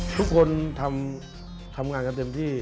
ทุกคนทำงานกันเต็มที่